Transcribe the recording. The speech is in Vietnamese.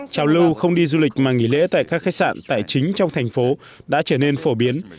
trào lưu không đi du lịch mà nghỉ lễ tại các khách sạn tài chính trong thành phố đã trở nên phổ biến